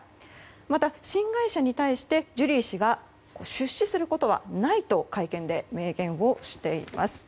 また、新会社に対してジュリー氏が出資することはないと会見で明言をしています。